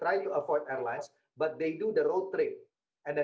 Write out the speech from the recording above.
maksud saya waktu ini adalah waktu anda